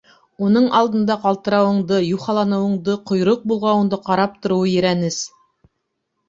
Уның алдында ҡалтырауыңды, юхаланыуыңды, ҡойроҡ болғауыңды ҡарап тороуы ерәнес!